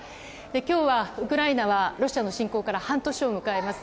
今日はウクライナはロシアの侵攻から半年を迎えます。